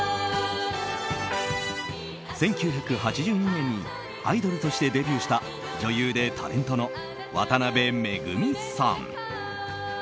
１９８２年にアイドルとしてデビューした女優でタレントの渡辺めぐみさん。